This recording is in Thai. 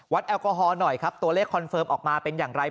แอลกอฮอล์หน่อยครับตัวเลขคอนเฟิร์มออกมาเป็นอย่างไร